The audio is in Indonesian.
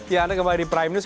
ya anda kembali di prime news